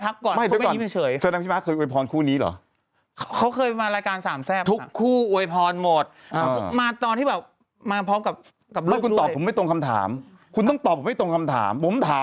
เพราะตอนนี้รายการสามแทรฟเขาห้ามคุณแม่มาโอยพรใครแล้วนะคะ